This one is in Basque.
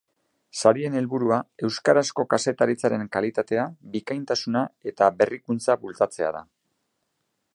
Sarien helburua euskarazko kazetaritzaren kalitatea, bikaintasuna eta berrikuntza bultzatzea da.